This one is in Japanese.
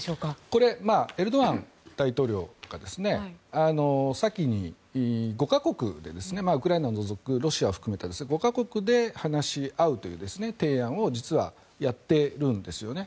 これ、エルドアン大統領が先に５か国でウクライナを除くロシアを含めた５か国で話し合うという提案を実はやっているんですね。